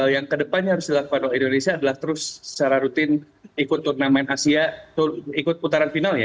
yang kedepannya harus dilakukan oleh indonesia adalah terus secara rutin ikut turnamen asia ikut putaran final ya